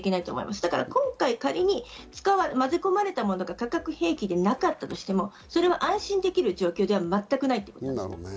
今回、仮に混ぜ込まれたものが化学兵器でなかったとしても安心できる状況では全くないということです。